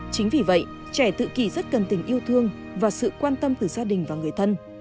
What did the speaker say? chính vì vậy trẻ tự kỳ rất cần tình yêu thương và sự quan tâm từ gia đình và người thân